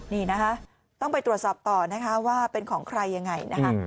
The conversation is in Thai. นี่นะคะต้องไปตรวจสอบต่อว่าเป็นของใครอย่างไร